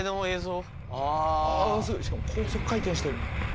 しかも高速回転してる。